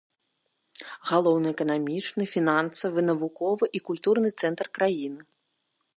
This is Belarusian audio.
Галоўны эканамічны, фінансавы, навуковы і культурны цэнтр краіны.